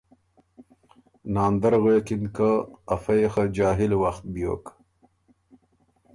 ناندر غوېکِن که ” ا فۀ يې خه جاهِل وخت بیوک۔